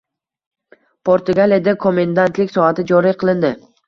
Portugaliyada komendantlik soati joriy qilindi